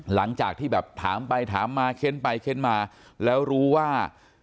หลังจากที่แบบถามไปถามมาเค้นไปเค้นมาแล้วรู้ว่า